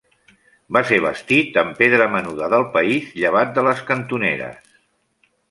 Va ser bastit amb pedra menuda del país llevat de les cantoneres.